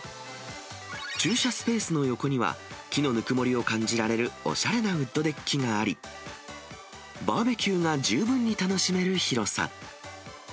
駐車スペースの横には、木のぬくもりを感じられるおしゃれなウッドデッキがあり、バーベキューが十分に楽しめる広さ。